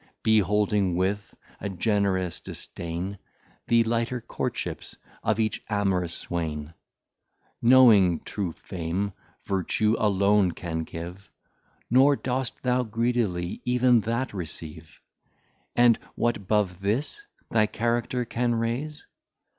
Beholding with a Gen'rous Disdain, The lighter Courtships of each amorous Swain; Knowing, true Fame, Vertue alone can give: Nor dost thou greedily even that receive. And what 'bove this thy Character can raise?